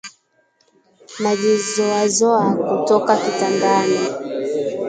Najizoazoa kutoka kitandani